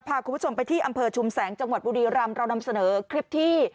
พาคุณผู้ชมไปที่อำเภอชุมแสงจังหวัดบุรีรำเรานำเสนอคลิปที่